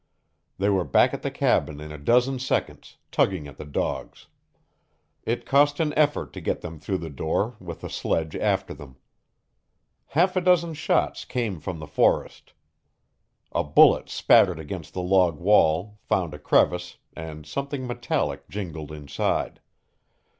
They were back at the cabin in a dozen seconds, tugging at the dogs. It cost an effort to get them through the door, with the sledge after them. Half a dozen shots came from the forest. A bullet spattered against the log wall, found a crevice, and something metallic jingled inside.